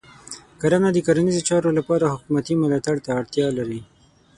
کرنه د کرنیزو چارو لپاره حکومتې ملاتړ ته اړتیا لري.